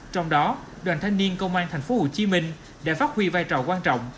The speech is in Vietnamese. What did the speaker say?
trong đó đoàn thanh niên công an tp hcm đã phát huy vai trò quan trọng